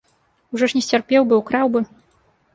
Ужо ж не сцярпеў бы, украў бы!